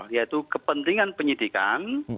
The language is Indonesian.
yaitu kepentingan penyidikan